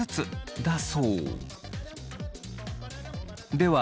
では